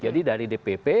jadi dari dptp